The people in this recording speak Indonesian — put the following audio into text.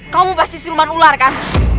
kamu pasti siluman ular kan